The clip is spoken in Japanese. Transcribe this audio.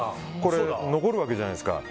残るわけじゃないですか。